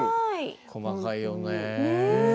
細かいよねぇ。ね！